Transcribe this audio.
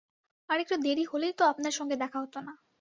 আর একটু দেরি হলেই তো আপনার সঙ্গে দেখা হত না।